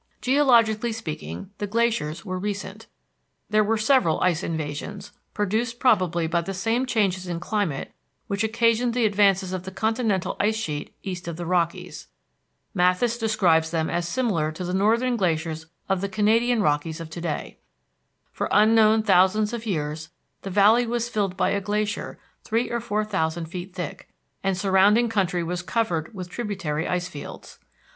Geologically speaking, the glaciers were recent. There were several ice invasions, produced probably by the same changes in climate which occasioned the advances of the continental ice sheet east of the Rockies. Matthes describes them as similar to the northern glaciers of the Canadian Rockies of to day. For unknown thousands of years the Valley was filled by a glacier three or four thousand feet thick, and the surrounding country was covered with tributary ice fields.